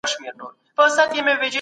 روښانه فکر ستړیا نه زیاتوي.